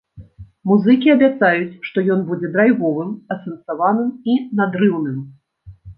Музыкі абяцаюць, што ён будзе драйвовым, асэнсаваным і надрыўным.